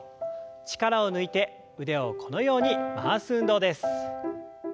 力を抜いて腕をこのように回す運動です。